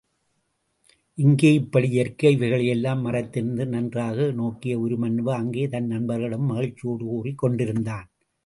இங்கே இப்படியிருக்க, இவைகளை யெல்லாம் மறைந்திருந்து நன்றாக நோக்கிய உருமண்ணுவா அங்கே தன் நண்பர்களிடம் மகிழ்ச்சியோடு கூறிக் கொண்டிருந்தான்.